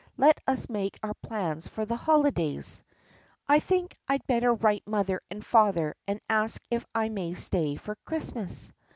Let us make our plans for the holidays." "I think I 'd better write mother and father and ask if I may stay for Christmas."